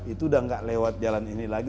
itu sudah tidak lewat jalan ini lagi